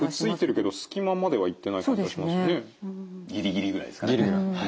ギリギリぐらいですかね。